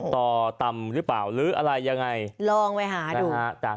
ตอตำรึเปล่าหรืออะไรยังไงลองไปหาดู